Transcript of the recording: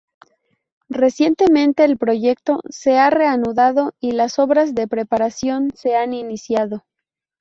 Recientemente el proyecto se ha re-anudado y las obras de preparación se han iniciado.